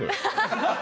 ハハハ！